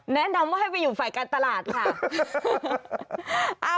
แนะนำว่าให้ไปอยู่ฝ่ายการตลาดค่ะ